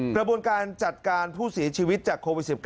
กระบวนการจัดการผู้เสียชีวิตจากโควิด๑๙